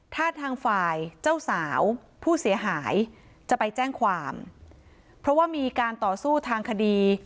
ถ้าทางฝ่ายเจ้าสาวผู้เสียหายจะไปแจ้งความเพราะว่ามีการต่อสู้ทางคดี